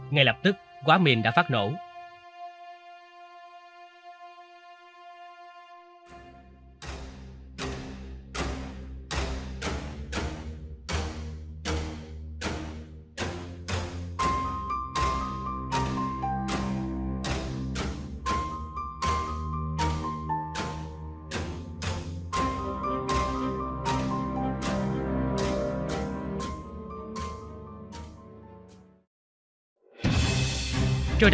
ngay lập tức quá mìn đã phát nổ